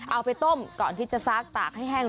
เอาไปต้มก่อนที่จะซักตากให้แห้ง